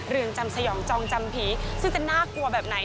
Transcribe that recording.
เรือนจำสยองจองจำผีซึ่งจะน่ากลัวแบบไหน